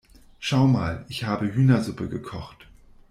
Schau mal, ich habe Hühnersuppe gekocht.